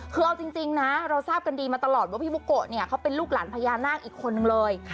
คือเอาจริงนะเราทราบกันดีมาตลอดว่าพี่บุโกะเนี่ยเขาเป็นลูกหลานพญานาคอีกคนนึงเลย